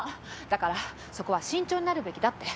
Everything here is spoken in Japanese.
だからそこは慎重になるべきだって。